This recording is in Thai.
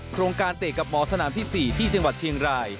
โครงการเตะกับหมอสนามที่๔ที่จังหวัดเชียงราย